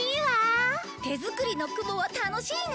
手作りの雲は楽しいね！